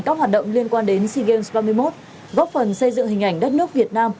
các hoạt động liên quan đến cgm hai mươi một góp phần xây dựng hình ảnh đất nước việt nam